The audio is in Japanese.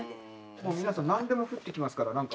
もう皆さん何でも降ってきますから何か。